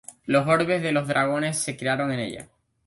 Los orbes de los Dragones se crearon en ella.